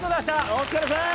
お疲れさん！